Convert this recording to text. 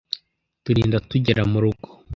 turinda tugera mu rugo.